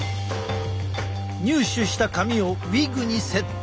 入手した髪をウィッグにセット。